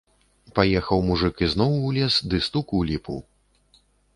Паехаў мужык ізноў у лес ды стук у ліпу.